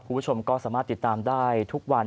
คุณผู้ชมก็สามารถติดตามได้ทุกวัน